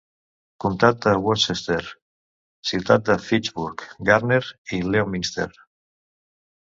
Comtat de Worcester: ciutats de Fitchburg, Gardner i Leominster.